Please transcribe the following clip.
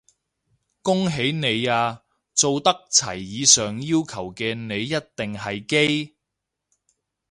恭喜你啊，做得齊以上要求嘅你一定係基！